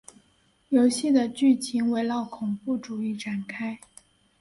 游戏的剧情围绕恐怖主义展开。